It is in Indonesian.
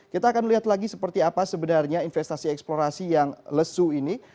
kita akan lihat lagi seperti apa sebenarnya investasi eksplorasi yang lesu ini